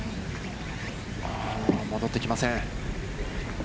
戻ってきません。